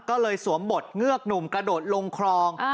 ก็เลยสวมบทเงือกหนุ่มกระโดดลงคลอง